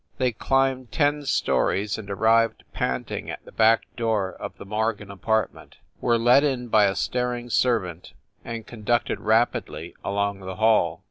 They climbed ten stories and arrived panting at the back door of the Morgan apartment, were let in by a staring servant, and conducted rapidly along the hall.